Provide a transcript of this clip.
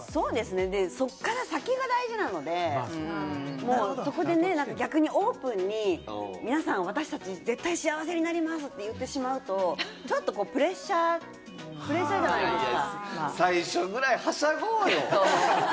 そこから先が大事なんで、そこでオープンに皆さん、私達絶対に幸せになりますって言ってしまうと、ちょっとプレッシャーじゃないですか？